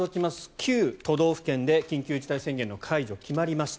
９都道府県で緊急事態宣言の解除決まりました。